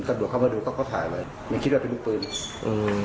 กระดูกเข้ามาดูก็เขาถ่ายไว้ไม่คิดว่าเป็นลูกปืนอืม